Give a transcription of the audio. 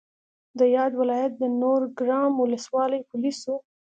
د یاد ولایت د نورګرام ولسوالۍ پولیسو